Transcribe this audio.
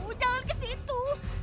aduh jangan kesitu kesini